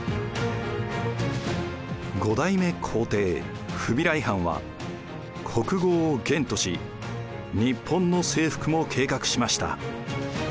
５代目皇帝フビライ・ハンは国号を元とし日本の征服も計画しました。